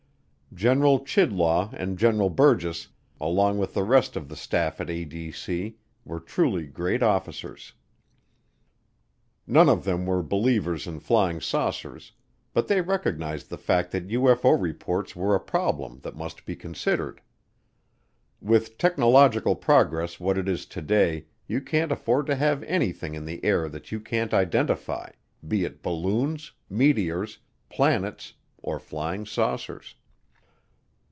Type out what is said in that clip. General Chidlaw and General Burgess, along with the rest of the staff at ADC, were truly great officers. None of them were believers in flying saucers, but they recognized the fact that UFO reports were a problem that must be considered. With technological progress what it is today, you can't afford to have anything in the air that you can't identify, be it balloons, meteors, planets or flying saucers.